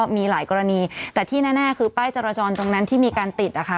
มีหลายกรณีแต่ที่แน่คือป้ายจราจรตรงนั้นที่มีการติดนะคะ